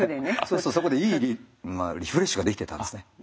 そこでいいリフレッシュができてたんですね。